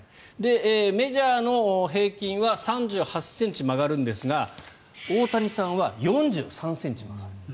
メジャーの平均は３８ｃｍ曲がるんですが大谷さんは４３ｃｍ曲がる。